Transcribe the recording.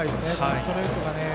ストレートがね。